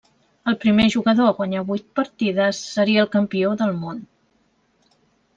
El primer jugador a guanyar vuit partides seria el campió del món.